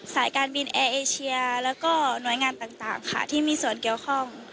สายการบินแอร์เอเชียแล้วก็หน่วยงานต่างค่ะที่มีส่วนเกี่ยวข้อง